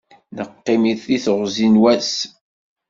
Neqqim i teɣzi n wass.